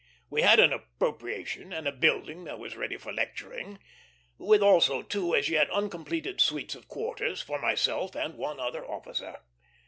We had an appropriation, and a building that was ready for lecturing; with also two as yet uncompleted suites of quarters, for myself and one other officer.